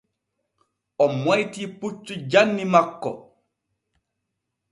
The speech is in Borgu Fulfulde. O moytii puccu janni makko.